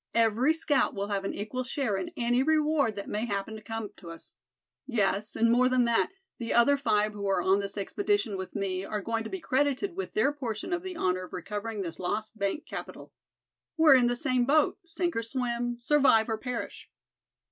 Every scout will have an equal share in any reward that may happen to come to us; yes, and more than that, the other five who are on this expedition with me are going to be credited with their portion of the honor of recovering this lost bank capital. We're in the same boat, sink or swim, survive or perish.